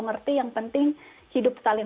ngerti yang penting hidup saling